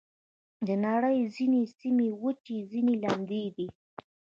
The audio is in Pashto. د نړۍ ځینې سیمې وچې، ځینې لمدې دي.